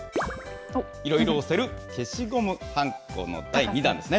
いろいろ押せる消しゴムはんこの第２弾ですね。